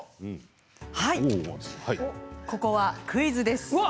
はいここはクイズです。